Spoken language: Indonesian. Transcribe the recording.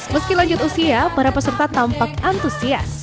meski lanjut usia para peserta tampak antusias